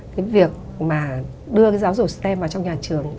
cái việc mà đưa cái giáo dục stem vào trong nhà trường